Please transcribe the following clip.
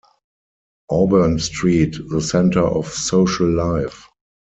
Auburn Street, the centre of social life.